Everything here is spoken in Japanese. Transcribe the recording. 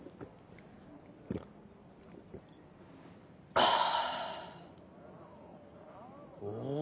はあ。